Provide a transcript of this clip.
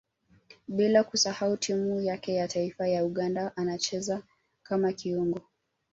Bila kusahau timu yake ya taifa ya Uganda anacheza kama kiungo